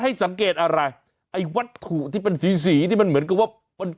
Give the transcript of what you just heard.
ให้สังเกตอะไรไอ้วัตถุที่เป็นสีสีที่มันเหมือนกับว่ามัน